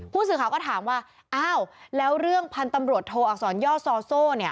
ผู้สื่อข่าวก็ถามว่าอ้าวแล้วเรื่องพันธุ์ตำรวจโทอักษรย่อซอโซ่เนี่ย